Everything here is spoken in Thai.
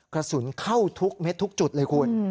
กระสุนเข้าทุกเม็ดทุกจุดเลยคุณ